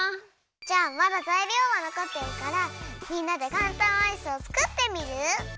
じゃあまだざいりょうはのこってるからみんなでかんたんアイスをつくってみる？